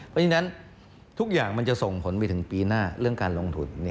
เพราะฉะนั้นทุกอย่างมันจะส่งผลไปถึงปีหน้าเรื่องการลงทุน